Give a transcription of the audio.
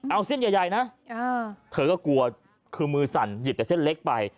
เอาเส้นใหญ่นะเธอก็กลัวคือมือสั่นหยิบแต่เส้นเล็กไป